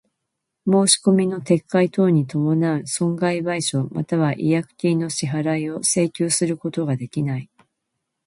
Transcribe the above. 申込みの撤回等に伴う損害賠償又は違約金の支払を請求することができない。